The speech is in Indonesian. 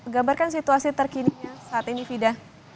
gambarkan situasi terkininya saat ini fida